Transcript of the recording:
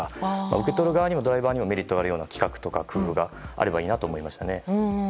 受け取る側にもドライバーにもメリットがある企画とか工夫があるといいなと思いますね。